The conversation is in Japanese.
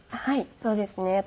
はいそうですね。